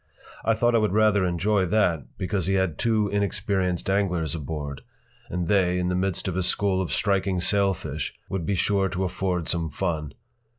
I thought I would rather enjoy that, because he had two inexperienced anglers aboard, and they, in the midst of a school of striking sailfish, would be sure to afford some fun.